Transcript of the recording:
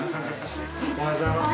おはようございます。